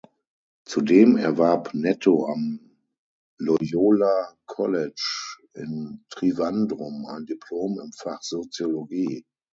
Zudem erwarb Netto am "Loyola College" in Trivandrum ein Diplom im Fach Soziologie.